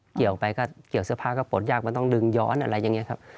เกี่ยวไปก็เกี่ยวเสื้อผ้าก็ปลดยากมันต้องดึงย้อนอะไรอย่างนี้ครับ